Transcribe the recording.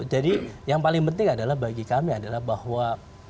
jadi yang paling penting adalah bagi kami adalah bahwa